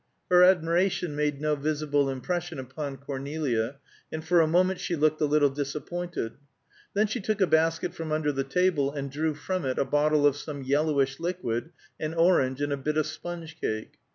Her admiration made no visible impression upon Cornelia, and for a moment she looked a little disappointed; then she took a basket from under the table, and drew from it a bottle of some yellowish liquid, an orange and a bit of sponge cake.